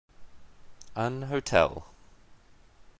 An hotel.